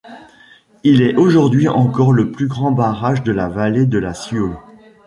Il est aujourd’hui encore le plus grand barrage de la vallée de la Sioule.